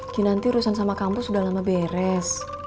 kinanti urusan sama kampus sudah lama beres